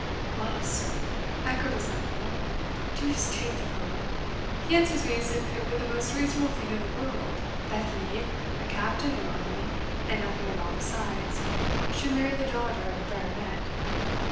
"Well, sir," echoed his uncle "Deuce take the fellow! he answers me as if it were the most reasonable thing in the world, that he, a captain in the army, and nothing at all besides, should marry the daughter of a baronet."